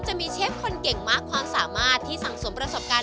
จะมีเชฟคนเก่งมากความสามารถที่สั่งสมประสบการณ์